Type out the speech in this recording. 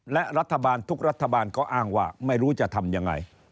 และรัฐบาลทุกรัฐบาลก็อ้างว่าไม่รู้จะทำยังไง